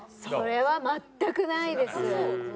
それは全くないです。